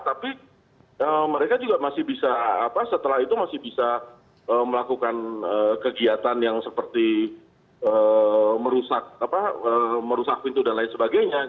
tapi mereka juga masih bisa setelah itu masih bisa melakukan kegiatan yang seperti merusak pintu dan lain sebagainya